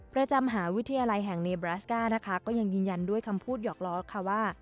ประจำมหาวิทยาลัยแห่งเนบราสก้านะคะก็ยังยืนยันด้วยคำพูดหยอกล้อค่ะว่า